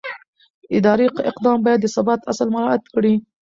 اداري اقدام باید د ثبات اصل مراعت کړي.